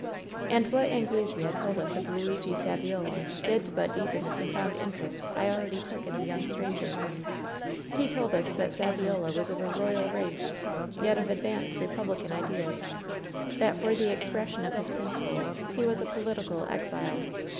"And what Anglesea told us of Luigi Saviola did but deepen the profound interest I already took in the young stranger. "He told us that Saviola was of royal race, yet of ad vanced republican ideas. That for the expression of his principles he was a political exile.